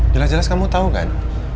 jelas jelas kamu tahu kan